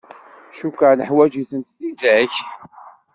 Cukkeɣ neḥwaǧ-itent tidak.